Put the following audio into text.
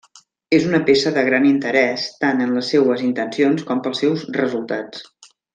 És una peça de gran interès tant en les seues intencions com pels seus resultats.